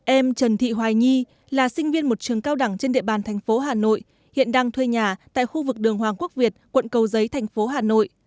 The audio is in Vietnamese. em trần thị hoài nhi là sinh viên một trường cao đẳng trên địa bàn thành phố hà nội hiện đang thuê nhà tại khu vực đường hoàng quốc việt quận cầu giấy thành phố hà nội